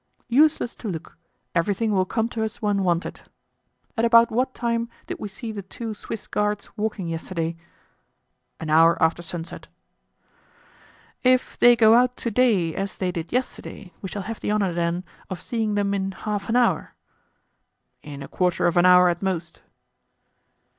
"Useless to look; everything will come to us when wanted. At about what time did we see the two Swiss guards walking yesterday?" "An hour after sunset." "If they go out to day as they did yesterday we shall have the honor, then, of seeing them in half an hour?" "In a quarter of an hour at most."